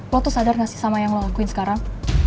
lo tuh sadar gak sih sama yang lokuin sekarang